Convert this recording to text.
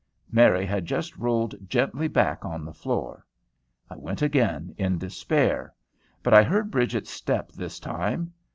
Mary had just rolled gently back on the floor. I went again in despair. But I heard Bridget's step this time.